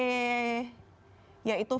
mengapa kemudian ventilasi menjadi penting